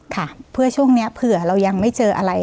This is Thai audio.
ค่ะเพื่อช่วงนี้เผื่อเรายังไม่เจออะไร